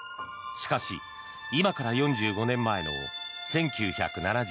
しかし、今から４５年前の１９７７年